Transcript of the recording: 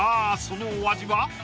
そのお味は？